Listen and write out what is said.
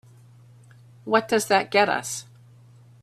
What does that get us?